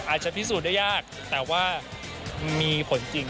อาจจะพิสูจน์ได้ยากแต่ว่ามีผลจริง